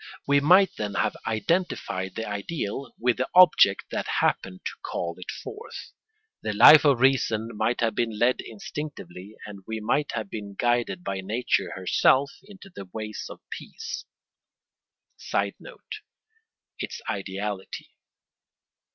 We might then have identified the ideal with the object that happened to call it forth. The Life of Reason might have been led instinctively, and we might have been guided by nature herself into the ways of peace. [Sidenote: Its ideality.